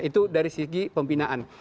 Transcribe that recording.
itu dari segi pembinaan